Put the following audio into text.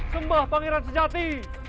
sembah pangeran sejati